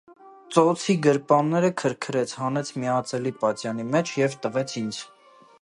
Ծոցի գրպանները քրքրեց, հանեց մի ածելի պատյանի մեջ և տվեց ինձ: